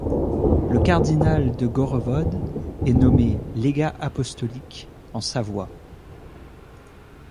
Le cardinal de Gorrevod est nommé légat apostolique en Savoie.